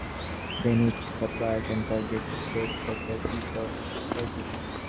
Then each supplier can target this date for their piece of the puzzle.